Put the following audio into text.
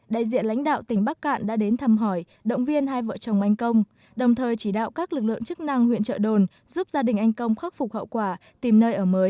đại diện lãnh đạo tỉnh bắc cạn đã đến thăm hỏi động viên hai vợ chồng anh công đồng thời chỉ đạo các lực lượng chức năng huyện trợ đồn giúp gia đình anh công khắc phục hậu quả tìm nơi ở mới